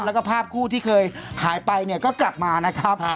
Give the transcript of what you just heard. แล้วก็ภาพคู่ที่เคยหายไปเนี่ยก็กลับมานะครับ